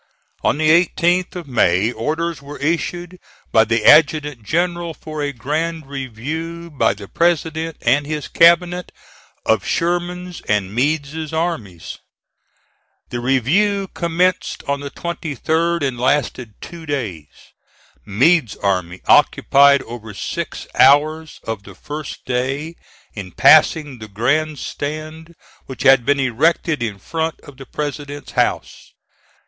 On the 18th of May orders were issued by the adjutant general for a grand review by the President and his cabinet of Sherman's and Meade's armies. The review commenced on the 23d and lasted two days. Meade's army occupied over six hours of the first day in passing the grand stand which had been erected in front of the President's house.